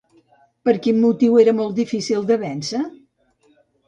Per quin motiu era molt difícil de vèncer?